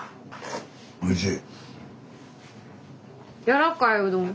おいしい。